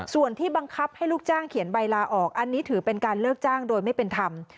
ส่วนที่บังคับให้ลูกจ้างเขียนใบลาออกอันนี้ถือเป็นการเลิกจ้างโดยไม่เป็นธรรม